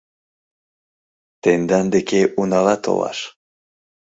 Тендан деке унала толаш